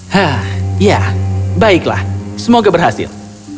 hah ya baiklah semoga berhasil